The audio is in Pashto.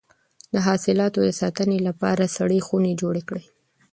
د حاصلاتو د ساتنې لپاره سړې خونې جوړې کړئ.